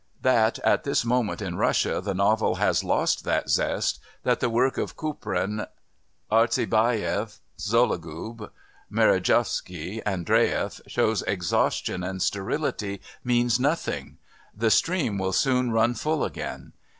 That at this moment in Russia the novel has lost that zest, that the work of Kouprin, Artzybashev, Sologub, Merejkovsky, Andreiev, shows exhaustion and sterility means nothing; the stream will soon run full again.